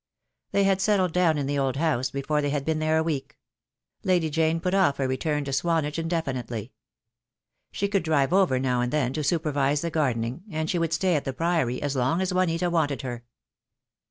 They had settled down in the old house before they had been there a week. Lady Jane put off her return to Swanage indefinitely. She could drive over now and then to supervise the gardening, and she would stay at the Priory as long as Juanita wanted her.